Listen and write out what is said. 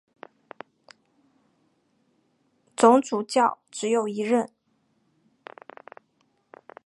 总主教只有一任。